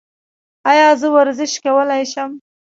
ایا زه ورزش کولی شم؟